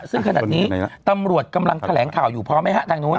ซึ่งขนาดนี้ตำรวจกำลังแถลงข่าวอยู่พร้อมไหมฮะทางนู้น